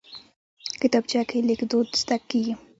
کتابچه کې لیک دود زده کېږي